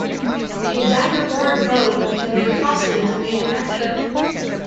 A daggerboard boat can be costly to manufacture.